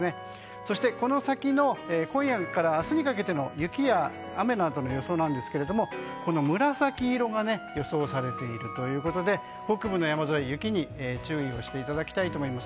そしてこの先の今夜から明日にかけての雪や雨の予想ですが紫色が予想されているということで北部の山沿いは雪に注意していただきたいと思います。